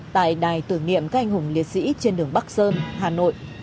tại đài tưởng niệm các anh hùng liệt sĩ trên đường bắc sơn hà nội